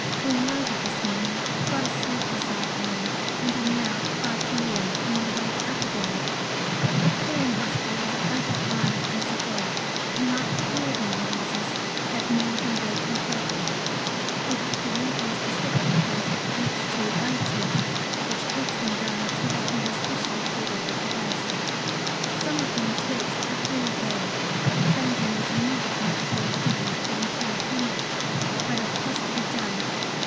We unloaded this morning, got a sleep this afternoon, and are now, 5 P.M., on our way up again. The Clearing Hospitals are overflowing as of old, and like the Field Ambulances have more than they can cope with. We have to re dress the septic things with H_O_, which keeps them going till they can be specially treated at the base. Some of the enterics are very bad: train journeys are not ideal treatment for enteric hæmorrhage, but it has to be done.